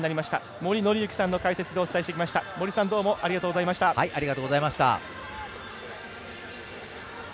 森さん、どうもありがとうございました。